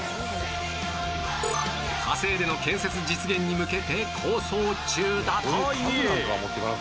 火星での建設実現に向けて構想中だという